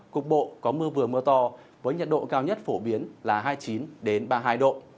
cục bộ có mưa vừa mưa to với nhiệt độ cao nhất phổ biến là hai mươi chín ba mươi hai độ